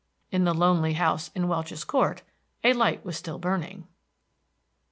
In the lonely house in Welch's Court a light was still burning.